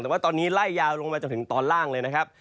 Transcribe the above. แต่ว่าตอนนี้ไล่ยาวลงมาจนถึงตอนล่างเลยนะครับ